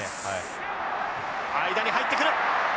間に入ってくる。